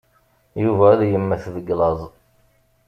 Yuba ad yemmet deg llaẓ.